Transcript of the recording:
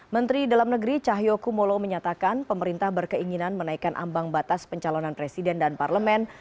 menteri dalam negeri cahyokumolo menyatakan pemerintah berkeinginan menaikkan ambang batas pencalonan presiden dan parlemen